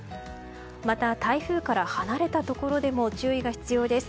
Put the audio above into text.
また、台風から離れたところでも注意が必要です。